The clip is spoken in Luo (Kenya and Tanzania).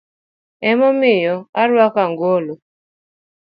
Emomiyo orwako angolo.